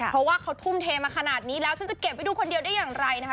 เพราะว่าเขาทุ่มเทมาขนาดนี้แล้วฉันจะเก็บไว้ดูคนเดียวได้อย่างไรนะคะ